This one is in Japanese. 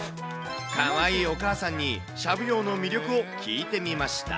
かわいいお母さんにしゃぶ葉の魅力を聞いてみました。